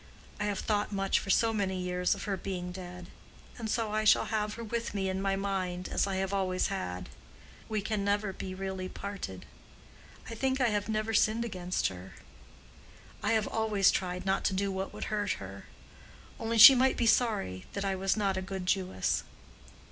I have thought much for so many years of her being dead. And I shall have her with me in my mind, as I have always had. We can never be really parted. I think I have never sinned against her. I have always tried not to do what would hurt her. Only, she might be sorry that I was not a good Jewess."